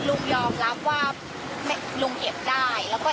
ลุงยอมรับว่าลุงเห็บได้